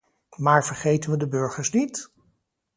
Maar vergeten we de burgers niet?